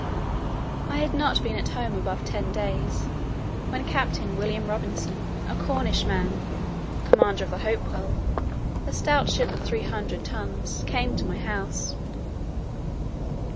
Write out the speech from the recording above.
I had not been at home above ten days, when Captain William Robinson, a Cornish man, commander of the Hopewell, a stout ship of three hundred tons, came to my house.